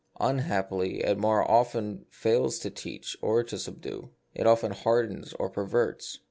Unhappily it more often fails to teach or to subdue. Often it hardens or perverts.